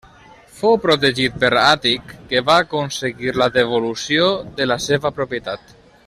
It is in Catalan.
Fou protegit per Àtic que va aconseguir la devolució de la seva propietat.